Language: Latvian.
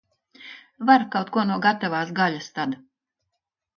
Var kaut ko no gatavās gaļas tad.